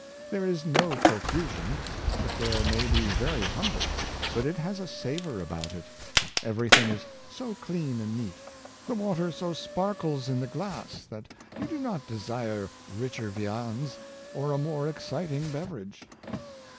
There is no profusion; the fare may be very humble, but it has a savor about it; everything is so clean and neat, the water so sparkles in the glass, that you do not desire richer viands or a more exciting beverage.